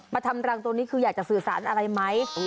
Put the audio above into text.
ทำรังตัวนี้คืออยากจะสื่อสารอะไรไหม